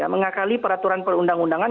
mengakali peraturan perundang undangan